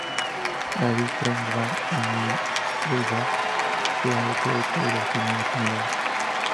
David Greenwald de Billboard se ha hecho eco de las opiniones similares.